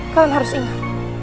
kalian harus ingat